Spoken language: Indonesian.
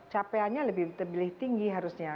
capeknya lebih lebih tinggi harusnya